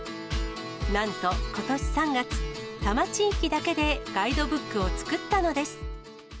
なんとことし３月、多摩地域だけでガイドブックを作ったのです。